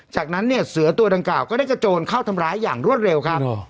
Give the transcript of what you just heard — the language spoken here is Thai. จากนั้นเนี่ยเสือตัวดังกล่าก็ได้กระโจนเข้าทำร้ายอย่างรวดเร็วครับ